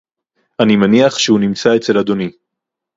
אני מניח שהוא נמצא אצל אדוני